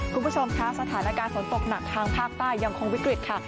คุณผู้ชมคะสถานการณ์ฝนตกหนักทางภาคใต้ยังคงวิกฤตค่ะ